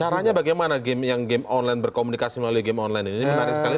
caranya bagaimana game yang game online berkomunikasi melalui game online ini menarik sekali